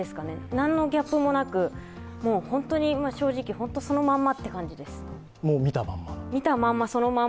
何のギャップもなく、本当に正直そのまんまという感じです。